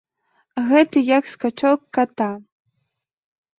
Гэта як скачок ката.